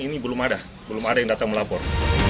ini belum ada belum ada yang datang melapor